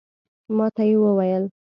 ماته یې وویل